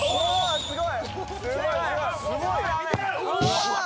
すごい！